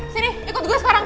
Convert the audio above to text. sini ikut gue sekarang